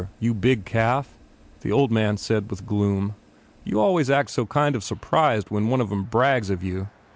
You big calf," the old man said with gloom, "you always act so kind of surprised when one of em brags of you.